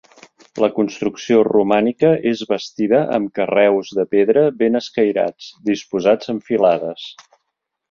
La construcció romànica és bastida amb carreus de pedra ben escairats, disposats en filades.